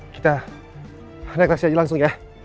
kita naik taksi aja langsung ya